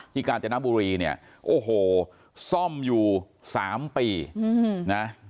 กาญจนบุรีเนี่ยโอ้โหซ่อมอยู่๓ปีนะ